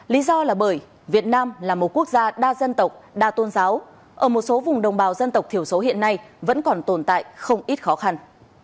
lý do là bởi việt nam là một quốc gia đa dân tộc đa tôn giáo ở một số vùng đồng bào dân tộc thiểu số hiện nay vẫn còn tồn tại không ít khó khăn